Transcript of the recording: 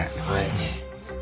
はい。